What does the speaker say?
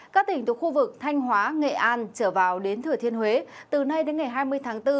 các tỉnh từ khu vực thanh hóa nghệ an trở vào đến thừa thiên huế từ nay đến ngày hai mươi tháng bốn